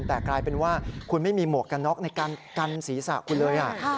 แต่กลายเป็นว่าคุณไม่มีหมวกกันน็อกในการกันศีรษะคุณเลย